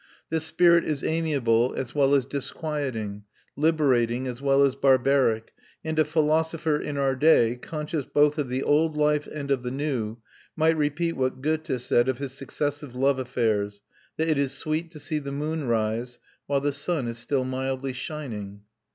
This spirit is amiable as well as disquieting, liberating as well as barbaric; and a philosopher in our day, conscious both of the old life and of the new, might repeat what Goethe said of his successive love affairs that it is sweet to see the moon rise while the sun is still mildly shining.